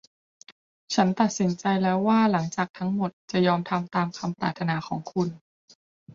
ฉันตัดสินใจแล้วว่าหลังจากทั้งหมด จะยอมทำตามคำปรารถนาของคุณ